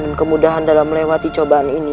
kemudahan dalam melewati cobaan ini